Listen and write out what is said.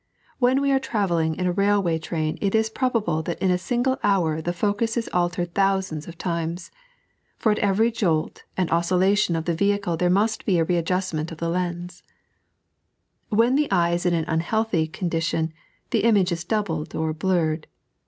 When we are travelling in a Tailv^y train it is probable that in a single hour the focus ia altered thousands of times, for at every jolt and oscilla tion of the vehicle there must be a readjustment of the When the eye is in an unhealthy condition, the image is doubled or blurred.